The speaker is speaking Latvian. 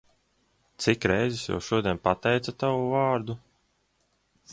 Cik reizes jau šodien pateica tavu vārdu?